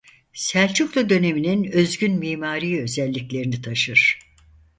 Selçuklu döneminin özgün mimari özelliklerini taşır.